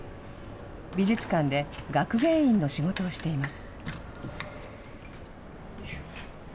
美術館で学芸員の仕事をしています。